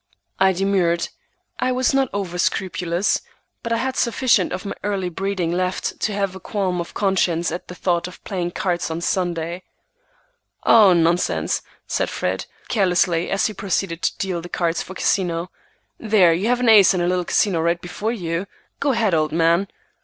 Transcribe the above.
I demurred. I was not over scrupulous, but I had sufficient of my early breeding left to have a qualm of conscience at the thought of playing cards on Sunday. "Oh, nonsense!" said Fred, carelessly, as he proceeded to deal the cards for Casino. "There, you have an ace and little Casino right before you. Go ahead, old man!"